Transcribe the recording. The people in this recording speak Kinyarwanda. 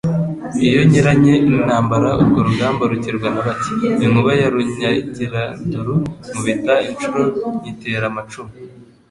iyo nkiranye n'intambara urwo rugamba rukirwa na bake; inkuba ya Runyagiranduru nkubita inshuro nyitera amacumu.